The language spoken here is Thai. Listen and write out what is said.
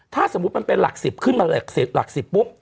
ถ้าสมมุติมันเป็นหลัก๑๐ขึ้นมาหลัก๑๐ปุ๊บ